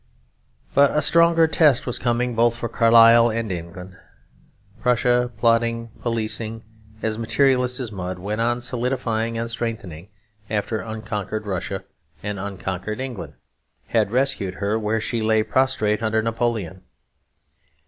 But a stronger test was coming both for Carlyle and England. Prussia, plodding, policing, as materialist as mud, went on solidifying and strengthening after unconquered Russia and unconquered England had rescued her where she lay prostrate under Napoleon.